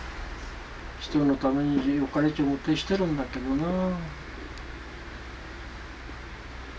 人のためによかれと思ってしてるんだけどなあ。